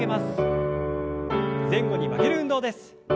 前後に曲げる運動です。